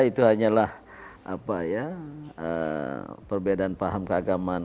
itu hanyalah perbedaan paham keagamaan